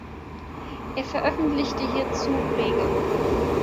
Er veröffentlichte hierzu rege.